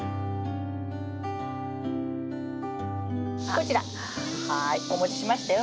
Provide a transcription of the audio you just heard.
こちらはいお持ちしましたよ。